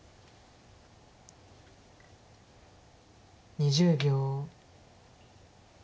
２０秒。